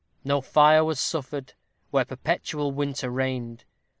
No fire was suffered, where perpetual winter reigned.